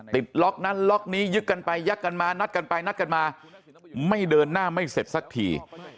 ติดล็อกนั้นล็อกนี้ยึกกันไปยักกันมานัดกันไปนัดกันมาไม่เดินหน้าไม่เสร็จสักที